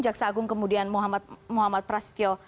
jaksa agung kemudian muhammad prasetyo